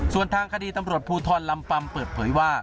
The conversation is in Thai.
ส่วนทางคดีตำรวจภูทรลำปำเปิดเผยว่า